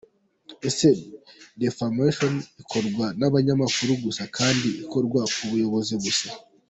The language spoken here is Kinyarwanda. Ese defamation ikorwa n’abanyamakuru gusa kandi igakorwa ku bayobozi gusa?